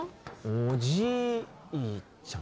おじいちゃん？